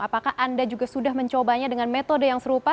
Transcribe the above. apakah anda juga sudah mencobanya dengan metode yang serupa